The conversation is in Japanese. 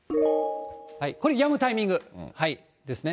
これ、やむタイミングですね。